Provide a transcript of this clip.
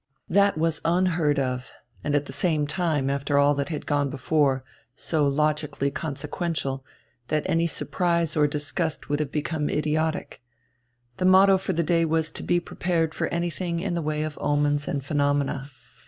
That was unheard of and at the same time, after all that had gone before, so logically consequential, that any surprise or disgust would have been idiotic. The motto for the day was to be prepared for anything in the way of omens and phenomena.